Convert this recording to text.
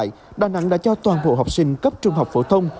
tại đà nẵng đã cho toàn bộ học sinh cấp trung học phổ thông